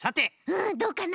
うんどうかな？